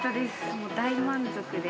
もう大満足で。